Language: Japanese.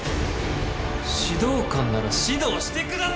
「指導官なら指導してください！」